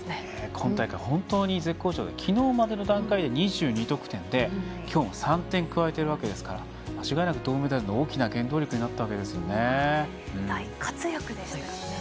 今大会は本当に絶好調できのうまでの段階で２２得点で、きょうは３点加えているわけですから間違いなく銅メダルの大きな原動力になりましたね。